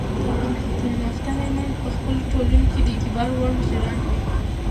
تعلیم یافته میرمنې په خپلو ټولنو کې د اعتبار وړ مشرانې وي.